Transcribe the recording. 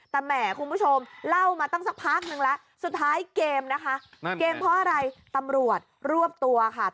ตะแหมคุณผู้ชมเล่ามาตั้งสักพักนึงแล้ว